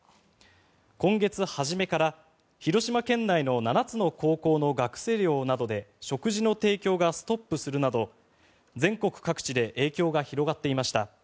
今月初めから、広島県内の７つの高校の学生寮などで食事の提供がストップするなど全国各地で影響が広がっていました。